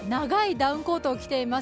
ダウンコートを着ています。